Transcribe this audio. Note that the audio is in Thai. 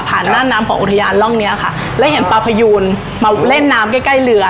หน้าน้ำของอุทยานร่องเนี้ยค่ะแล้วเห็นปลาพยูนมาเล่นน้ำใกล้ใกล้เรือ